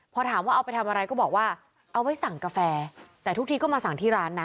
พอถามว่าเอาไปทำอะไรก็บอกว่าเอาไว้สั่งกาแฟแต่ทุกทีก็มาสั่งที่ร้านนะ